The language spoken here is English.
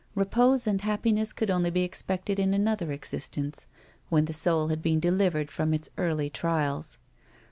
Repose and happiness could only be expected in another existence, when the soul had been delivered from its earthly trials.